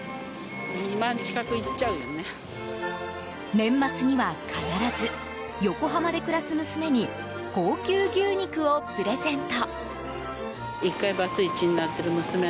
年末には必ず横浜で暮らす娘に高級牛肉をプレゼント。